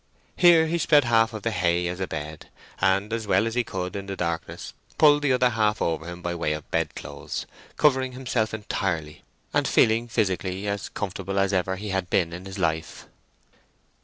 Here he spread half of the hay as a bed, and, as well as he could in the darkness, pulled the other half over him by way of bed clothes, covering himself entirely, and feeling, physically, as comfortable as ever he had been in his life.